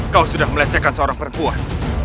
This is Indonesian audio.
kau sudah melecehkan seorang perempuan